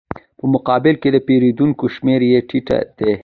په مقابل کې د پېرودونکو شمېره یې ټیټه ده